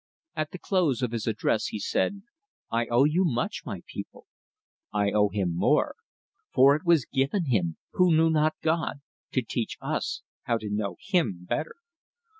At the close of his address he said: "I owe you much, my people. I owe him more, for it was given him, who knew not God, to teach us how to know Him better.